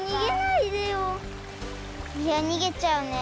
いやにげちゃうね。